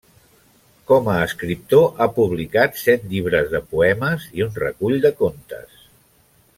Com a escriptor ha publicat set llibres de poemes i un recull de contes.